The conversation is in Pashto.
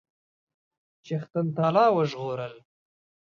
چښتن تعالی وژغورل.